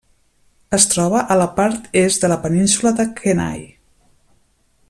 Es troba a la part est de la península de Kenai.